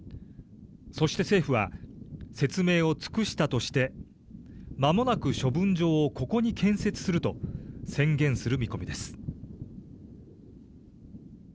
そして政府は、説明を尽くしたとして、まもなく処分場をここに建設すると宣言する見込みです。